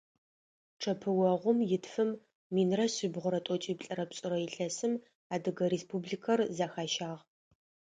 Чъэпыогъум итфым минрэ шъибгьурэ тӀокӀиплӀырэ пшӀырэ илъэсым Адыгэ Республикэр зэхащагъ.